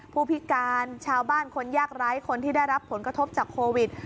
ผู้พิการชาวบ้านคนยากไร้คนที่ได้รับผลกระทบจากโควิด